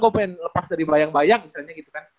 gue pengen lepas dari bayang bayang istilahnya gitu kan